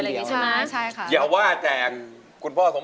อายุ๒๔ปีวันนี้บุ๋มนะคะ